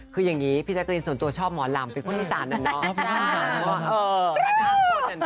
คืออย่างนี้พี่แจ๊กรีนส่วนตัวชอบหมอลำเป็นคนอีสานอะเนาะ